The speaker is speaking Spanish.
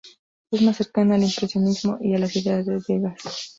Es más cercana al impresionismo y a las ideas de Degas.